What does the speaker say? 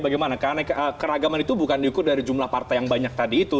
bagaimana karena keragaman itu bukan diukur dari jumlah partai yang banyak tadi itu